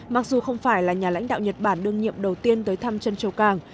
mặc dù không phải là nhà lãnh đạo nhật bản đương nhiệm đầu tiên tới thăm trân châu càng